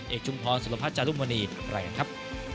เอกชุมพรสุรพัชย์จารุมณีแรงครับ